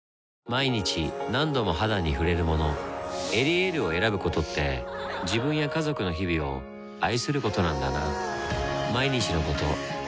毎日何度も肌に触れるもの「エリエール」を選ぶことって自分や家族の日々を愛することなんだなぁ